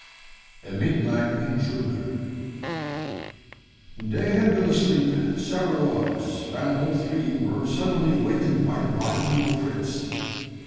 A MIDNIGHT INTRUDER. They had been asleep several hours, when all three were suddenly awakened by the barking of Fritz.